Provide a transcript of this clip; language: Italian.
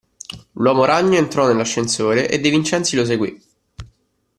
L'uomo ragno entrò nell'ascensore e De Vincenzi lo seguí.